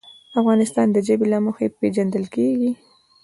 افغانستان د ژبې له مخې پېژندل کېږي.